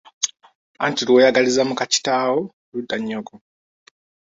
Anti lw'oyagaliza muka kitaawo lutta nnyoko.